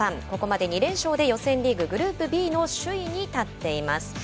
ここまで２連勝で予選リーググループＢの首位に立っています。